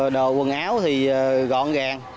đồ quần áo thì gọn gàng